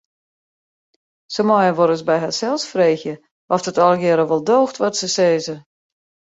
Se meie wolris by harsels freegje oft it allegearre wol doocht wat se sizze.